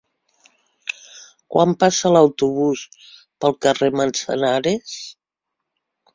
Quan passa l'autobús pel carrer Manzanares?